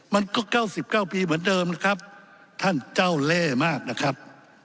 มันก็๙๙ปีเหมือนเดิมนะครับท่านเจ้าเล่มากนะครับ